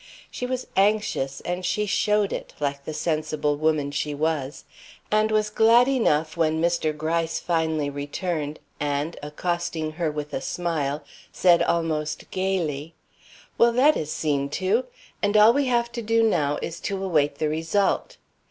She was anxious, and she showed it, like the sensible woman she was, and was glad enough when Mr. Gryce finally returned and, accosting her with a smile, said almost gayly: "Well, that is seen to! And all we have to do now is to await the result.